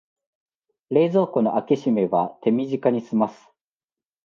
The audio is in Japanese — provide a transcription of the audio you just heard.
冷蔵庫の開け閉めは手短にすます